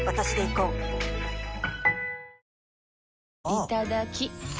いただきっ！